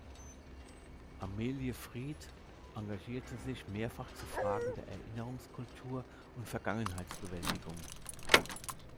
Amelie Fried engagierte sich mehrfach zu Fragen der Erinnerungskultur und Vergangenheitsbewältigung.